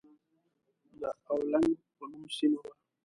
د اولنګ په نوم سيمه وه.